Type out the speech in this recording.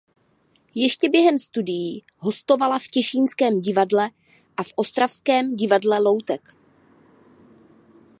Ještě během studií hostovala v Těšínském divadle a v ostravském Divadle loutek.